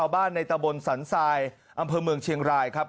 บ้านในตะบนสันทรายอำเภอเมืองเชียงรายครับ